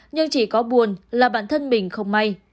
nhưng chỉ có buồn là bản thân mình không may